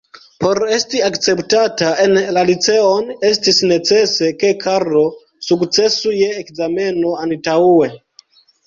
Por esti akceptata en la liceon, estis necese ke Karlo sukcesu je ekzameno antaŭe.